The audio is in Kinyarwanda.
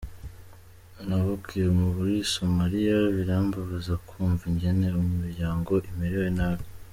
"Navukiye muri Somalia, birambabaza kwumva ingene imiryango imerewe nabi.